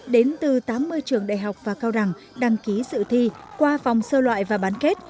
đến từ tám mươi trường đại học và cao đẳng đăng ký sự thi qua vòng sơ loại và bán kết